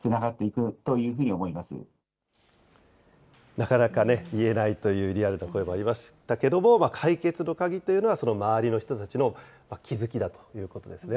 なかなかね、言えないというリアルな声もありましたけど、解決の鍵というのはその周りの人たちの気付きだということですね。